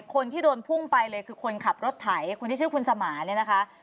คนที่โดนพุ่งไปเลยคือคนขับรถไถคนที่ชื่อคุณสมาเนี่ยนะคะ